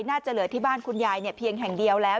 น่าจะเหลือที่บ้านคุณยายเพียงแห่งเดียวแล้ว